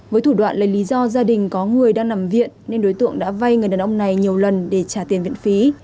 với thủ đoạn lấy lý do gia đình có người đang nằm viện nên đối tượng đã vay người đàn ông này nhiều lần để trả tiền viện phí